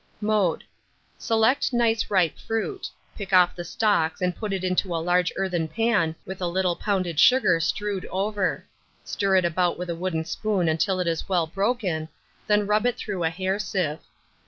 ] Mode. Select nice ripe fruit; pick off the stalks, and put it into a large earthen pan, with a little pounded sugar strewed over; stir it about with a wooden spoon until it is well broken, then rub it through a hair sieve.